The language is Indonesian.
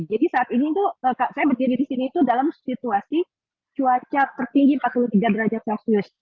jadi saat ini saya berdiri di sini dalam situasi cuaca tertinggi empat puluh tiga derajat celcius